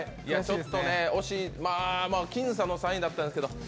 僅差の３位だったんですけどね。